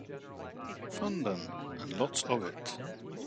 Fun, then, and lots of it.